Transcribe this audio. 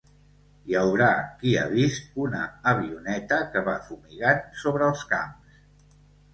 Hi haurà qui ha vist una avioneta que va fumigant sobre els camps.